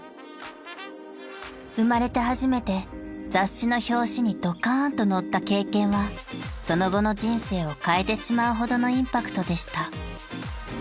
［生まれて初めて雑誌の表紙にドカーンと載った経験はその後の人生を変えてしまうほどのインパクトでした］